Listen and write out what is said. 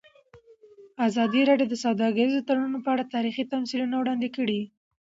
ازادي راډیو د سوداګریز تړونونه په اړه تاریخي تمثیلونه وړاندې کړي.